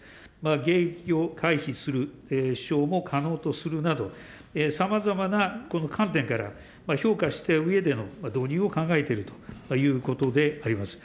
迎撃を回避する、飛しょうも可能とするなど、さまざまなこの観点から、評価したうえでの導入を考えているということであります。